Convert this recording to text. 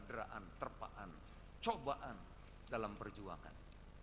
penderaan terpaan cobaan dalam perjuangan